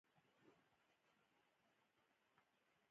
احمد د غنو پر لو پیل ګډ کړ.